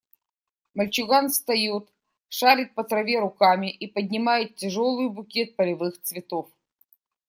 Мальчуган встает, шарит по траве руками и поднимает тяжелый букет полевых цветов.